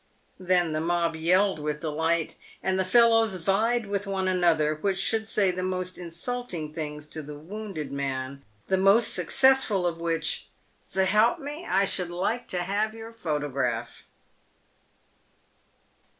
Then the mob yelled with delight, and the fellows vied with one another which should say the most in sulting things to the wounded man, the most successful of which was, " S'help me, I should like to have your photograph."